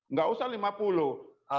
nggak usah lima puluh